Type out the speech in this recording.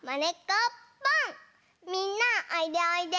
みんなおいでおいで。